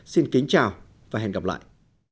xin chào và hẹn gặp lại